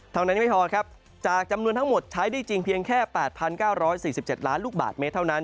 ยังไม่พอครับจากจำนวนทั้งหมดใช้ได้จริงเพียงแค่๘๙๔๗ล้านลูกบาทเมตรเท่านั้น